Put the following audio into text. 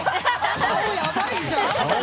顔やばいじゃん！